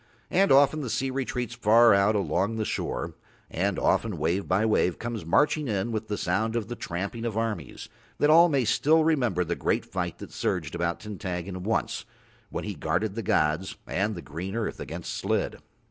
And often the sea retreats far out along the shore, and often wave by wave comes marching in with the sound of the tramping of armies, that all may still remember the great fight that surged about Tintaggon once, when he guarded the gods and the green earth against Slid.